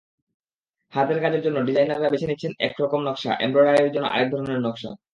হাতের কাজের জন্য ডিজাইনাররা বেছে নিচ্ছেন একরকম নকশা, এমব্রয়ডারির জন্য আরেক ধরনের।